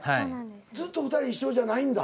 ずっと２人一緒じゃないんだ。